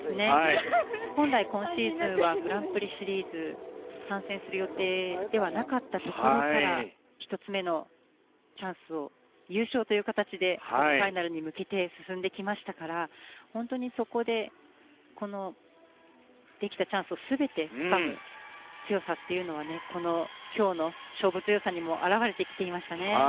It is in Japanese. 本来、今シーズンはグランプリシリーズに３戦する予定ではなかったところから１つ目のチャンスを優勝という形でファイナルに向けて進んできましたから本当にそこでできたチャンスを使った強さというのは今日の勝負強さにも表れてきましたね。